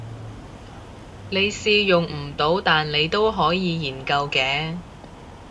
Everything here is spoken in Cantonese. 你試用唔到但你都可以研究嘅